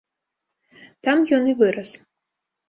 Там ён і вырас.